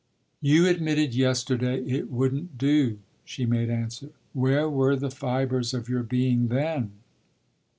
"You admitted yesterday it wouldn't do," she made answer. "Where were the fibres of your being then?"